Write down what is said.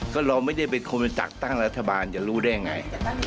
ก็เราไม่ได้เป็นคนไปจัดตั้งรัฐบาลจะรู้ได้ยังไง